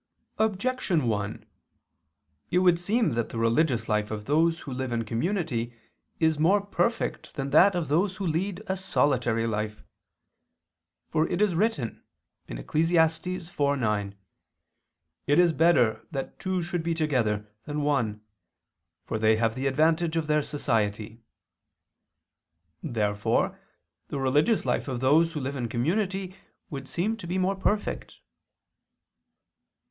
Objection 1: It would seem that the religious life of those who live in community is more perfect than that of those who lead a solitary life. For it is written (Eccles. 4:9): "It is better ... that two should be together, than one; for they have the advantage of their society." Therefore the religious life of those who live in community would seem to be more perfect.